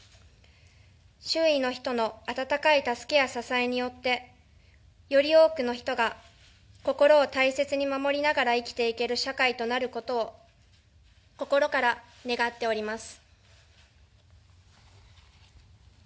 周囲の人の温かい助けや支えによってより多くの人が心を大切に守りながら生きていける社会となることを心から願っております。